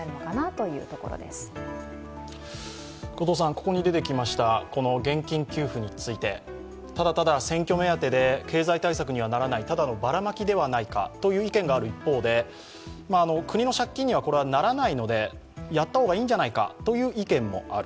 ここに出てきました現金給付について、ただただ選挙目当てで経済対策にはならないただのばらまきではないかという意見がある一方で国の借金にはならないので、やった方がいいんじゃないかという意見もある。